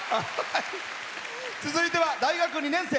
続いては大学２年生。